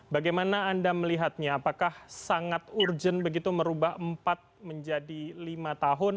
bagaimana anda melihatnya apakah sangat urgent begitu merubah empat menjadi lima tahun